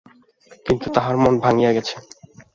কিন্তু তাহার মন ভাঙিয়া গেছে।